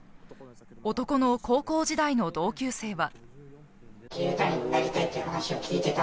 男の高校時代の同級生は。